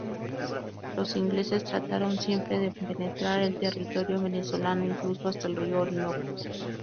Los ingleses trataron siempre de penetrar el territorio venezolano incluso hasta el río Orinoco.